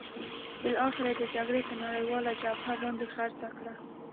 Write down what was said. بالاخره یې د جګړې پر نړیواله جبهه باندې خرڅه کړه.